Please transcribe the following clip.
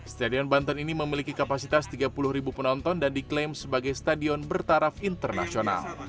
stadion banten ini memiliki kapasitas tiga puluh ribu penonton dan diklaim sebagai stadion bertaraf internasional